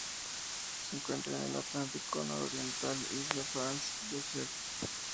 Se encuentra en el Atlántico nororiental: Isla Franz Joseph.